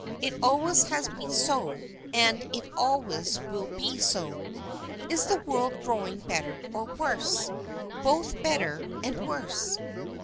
It always has been so, and it always will be so. Is the world growing better or worse? Both better and worse.